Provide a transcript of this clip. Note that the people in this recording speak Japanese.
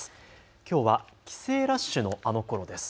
きょうは帰省ラッシュのあのころです。